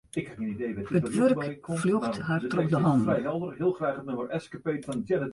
It wurk fljocht har troch de hannen.